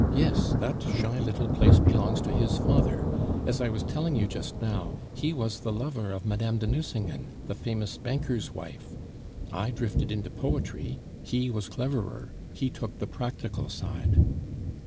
"Yes. That shy little place belongs to his father. As I was telling you just now, he was the lover of Mme. de Nucingen, the famous banker's wife. I drifted into poetry; he was cleverer, he took the practical side."